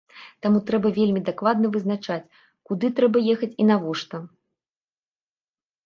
Таму трэба вельмі дакладна вызначаць, куды трэба ехаць і навошта.